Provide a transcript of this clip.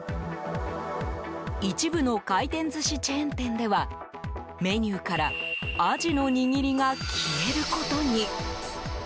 一部の回転寿司チェーン店ではメニューからアジの握りが消えることに。